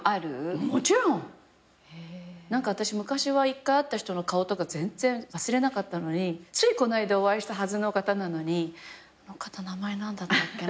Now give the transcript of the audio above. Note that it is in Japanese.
私昔は１回会った人の顔とか全然忘れなかったのについこないだお会いしたはずの方なのにあの方名前何だったっけな？